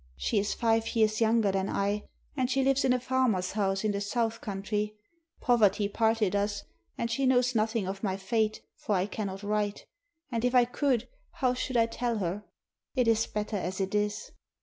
She is five years younger than I, and she lives in a farmer's house in the south country. Poverty parted us, and she knows noth ing of my fate — for I cannot write — and if I could, how should I tell her! It is better as it is."